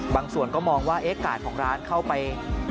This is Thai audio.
บางส่วนก็มองว่ากาดของร้านเข้าไป